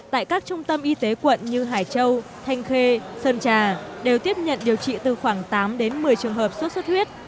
tại các trung tâm y tế quận như hải châu thanh khê sơn trà đều tiếp nhận điều trị từ khoảng tám đến một mươi trường hợp sốt xuất huyết